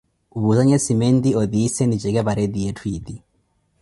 woozanye cimenti, otiise, nijeke pareti yetthu eti.